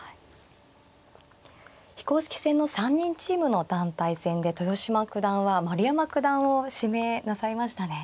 非公式戦の３人チームの団体戦で豊島九段は丸山九段を指名なさいましたね。